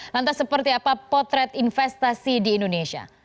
lantas seperti apa potret investasi di indonesia